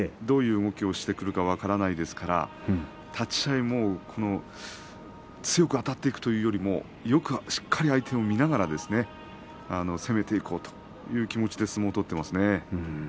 どういう動きをしてくるか分からないですから立ち合いも強くあたっていくというよりもよく相手をしっかり見ながら攻めていこうという気持ちで相撲を取っていますね。